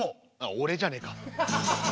俺じゃねえか。